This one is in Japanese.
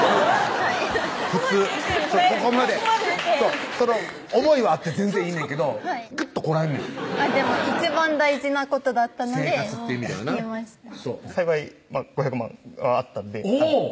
普通普通ここまで思いはあって全然いいねんけどぐっとこらえんねんでも一番大事なことだったので生活っていう意味ではな幸い５００万はあったんでおぉ！